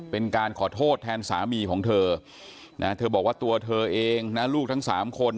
เป็นการขอโทษแทนสามีของเธอนะเธอบอกว่าตัวเธอเองนะลูกทั้งสามคน